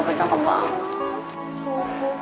gatau gatau gatau